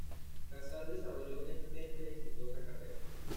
Casal desarrolló una extensa y exitosa carrera.